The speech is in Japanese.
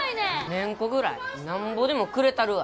メンコぐらいなんぼでもくれたるわ。